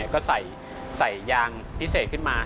ก็ใส่ยางพิเศษขึ้นมา